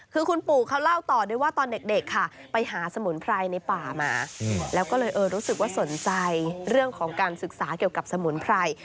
คือคุณปู่เขาเล่าต่อด้วยว่าตอนเด็กค่ะไปหาสมุนไพรในป่ามาแล้วก็เลยเออรู้สึกว่าสนใจเรื่องของการศึกษาเกี่ยวกับสมุนไพร